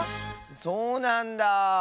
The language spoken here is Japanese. そうなんだ。